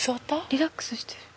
リラックスしてる。